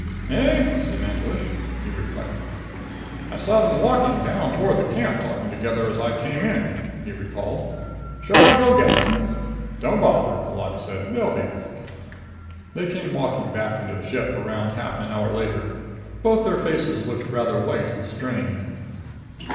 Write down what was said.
"Eh?" said Mantelish. He reflected. "I saw them walking down toward camp talking together as I came in," he called. "Should I go get them?" "Don't bother," Holati said. "They'll be back." They came walking back into the ship around half an hour later. Both faces looked rather white and strained.